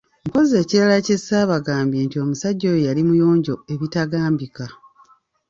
Mpozzi ekirala kye sibagambye nti omusajja oyo yali muyonjo ebitambika.